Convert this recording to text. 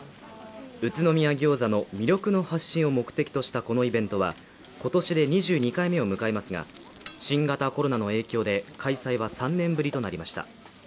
宇都宮餃子の魅力の発信を目的としたこのイベントは今年で２２回目を迎えますが新型コロナの影響で開催は３年ぶりとなりました。